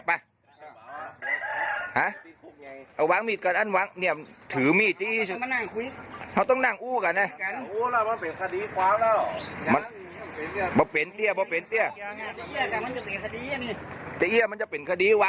เจ้าพี่พยายามคุยอยู่ตรงหน้าบ้านตรงเนี้ยคุยนานเหมือนกันนะคะ